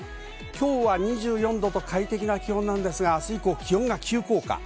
今日は快適な気温なんですが、明日以降、気温が急降下。